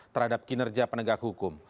terhadap kinerja penegak hukum